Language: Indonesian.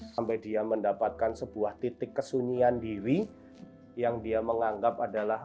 sampai dia mendapatkan sebuah titik kesunyian diri yang dia menganggap adalah